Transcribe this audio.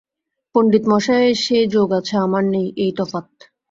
পণ্ডিতমশায়ের সেই যোগ আছে, আমার নেই, এই তফাত।